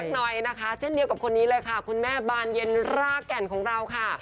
น้อยนะคะเช่นเดียวกับคนนี้เลยค่ะคุณแม่บานเย็นรากแก่นของเราค่ะ